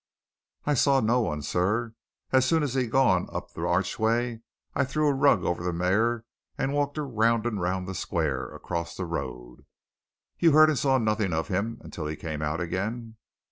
"I saw no one, sir. As soon as he'd gone up the archway I threw a rug over the mare and walked her round and round the square across the road." "You heard and saw nothing of him until he came out again?"